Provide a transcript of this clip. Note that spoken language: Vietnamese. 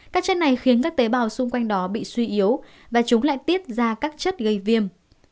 các chất này khiến các tế bào xung quanh đó bị suy yếu và chúng lại tiết ra các chất gây viêm